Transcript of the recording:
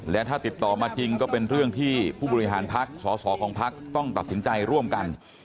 และถ้าติดต่อมาจริงก็เป็นเรื่องที่ผู้บริหารพักษสของพักต้องตัดสินใจร่วมกัน